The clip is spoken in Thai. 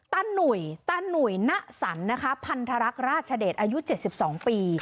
หนุ่ยตาหนุ่ยณสันนะคะพันธรรคราชเดชอายุ๗๒ปี